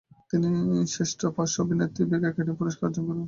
তিনি শ্রেষ্ঠ পার্শ্ব অভিনেত্রী বিভাগে একাডেমি পুরস্কার অর্জন করেন।